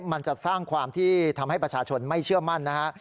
มันจะสร้างความที่ทำให้ประชาชนไม่เชื่อมั่นนะฮะ